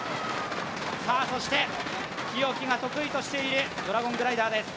そして日置が得意としているドラゴングライダーです。